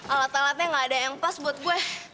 alat alatnya nggak ada yang pas buat gue